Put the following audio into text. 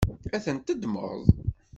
Ad ten-teddmeḍ?